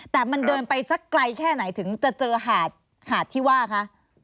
แต่มันเดินไปสักไกลแค่ไหนถึงจะเจอหาดที่ว่าคะ